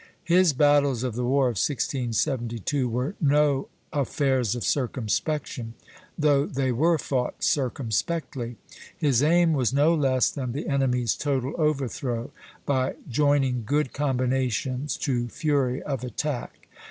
His battles of the war of 1672 were no "affairs of circumspection," though they were fought circumspectly; his aim was no less than the enemy's total overthrow, by joining good combinations to fury of attack.